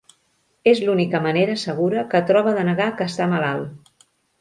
És l'única manera segura que troba de negar que està malalt.